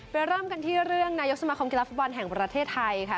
เริ่มกันที่เรื่องนายกสมาคมกีฬาฟุตบอลแห่งประเทศไทยค่ะ